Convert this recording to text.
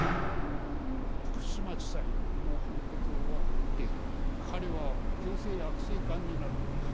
福島地裁の判決終わって彼は急性悪性がんになるんだよ。